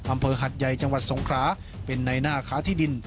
หัดใหญ่จังหวัดสงคราเป็นในหน้าค้าที่ดิน